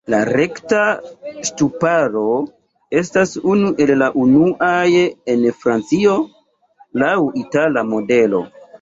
La rekta ŝtuparo estas unu el la unuaj en Francio, laŭ itala modelo.